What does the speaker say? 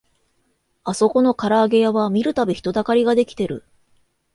あそこのからあげ屋は見るたび人だかりが出来てる